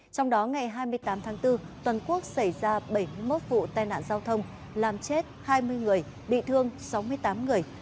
trong đó ngày hai mươi tám tháng bốn toàn quốc xảy ra bảy mươi một vụ tai nạn giao thông làm chết hai mươi người bị thương sáu mươi tám người